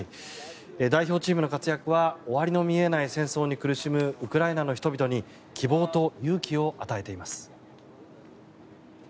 代表チームの活躍は終わりの見えない戦争に苦しむウクライナの人々に希望と勇気を与えています。